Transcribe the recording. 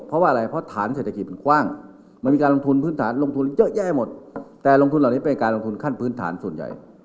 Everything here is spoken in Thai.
เศรษฐกิจเป็นความมีการลงทุนพื้นฐานลงทุนเยอะแยะหมดแต่ลงทุนเหล่านี้เป็นการลงทุนขั้นพื้นฐานส่วนใหญ่